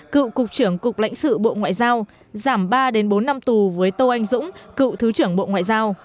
cựu cục trưởng cục lãnh sự bộ ngoại giao giảm ba bốn năm tù với tô anh dũng cựu thứ trưởng bộ ngoại giao